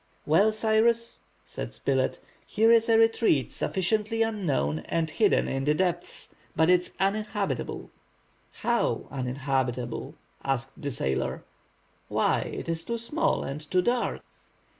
"Well, Cyrus," said Spilett, "here is a retreat sufficiently unknown and hidden in the depths, but it is uninhabitable." "How, uninhabitable?" asked the sailor. "Why, it is too small and too dark."